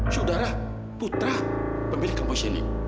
saudara putra pemilik kampus ini